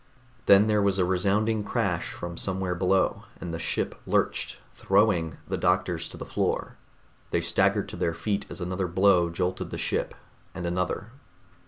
Then there was a resounding crash from somewhere below, and the ship lurched, throwing the doctors to the floor. They staggered to their feet as another blow jolted the ship, and another.